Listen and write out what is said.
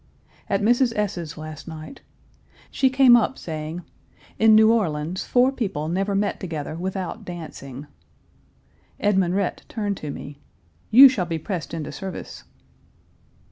At Mrs. S.'s last night. She came up, saying, "In New Orleans four people never met together without dancing." Edmund Rhett turned to me: "You shall be pressed into service."